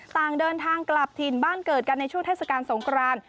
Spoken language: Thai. ต่างเดินทางกลับถิ่นบ้านเกิดกันในช่วงเทศกาลสงคราน